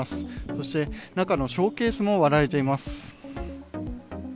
そして、中のショーケースも割られています。